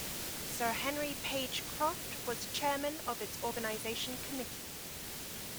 Sir Henry Page Croft was chairman of its organisation committee.